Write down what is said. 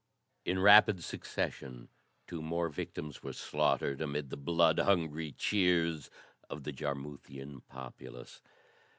In rapid succession two more victims were slaughtered amid the blood hungry cheers of the Jarmuthian populace.